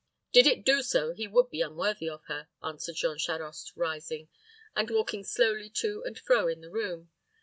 "Did it do so, he would be unworthy of her," answered Jean Charost, rising, and walking slowly to and fro in the room.